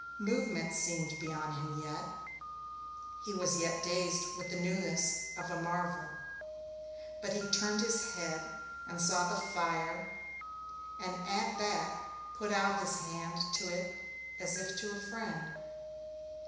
Movement seemed beyond him yet he was yet dazed with the newness of a marvel but he turned his head and saw the fire and at that put out his hand to it as if to a friend.